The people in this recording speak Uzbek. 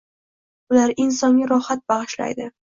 ular insonga rohat bag’ishlaydi